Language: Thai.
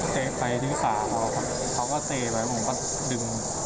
เต๊กไปจุดภาพเขาเขาก็เตบไปเราลงกับดึง